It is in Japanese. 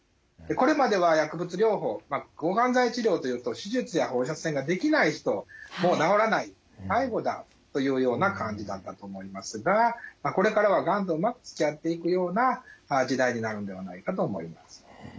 これまでは薬物療法まあ抗がん剤治療というと手術や放射線ができない人もう治らない最後だというような感じだったと思いますがこれからはがんとうまくつきあっていくような時代になるんではないかと思います。